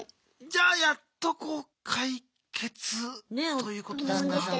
じゃあやっと解決ということですか？